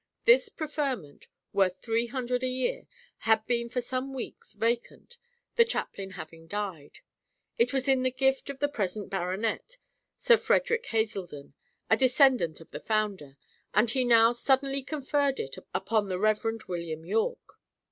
This preferment, worth three hundred a year, had been for some weeks vacant, the chaplain having died. It was in the gift of the present baronet, Sir Frederick Hazeldon, a descendant of the founder, and he now suddenly conferred it upon the Rev. William Yorke.